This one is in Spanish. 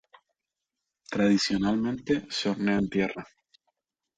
Tradicionalmente se hornea en tierra.